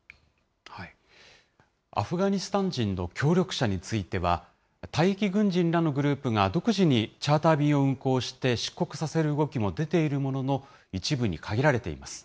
アフガニスタン人の協力者については、退役軍人らのグループが独自にチャーター便を運航して、出国させる動きも出ているものの、一部に限られています。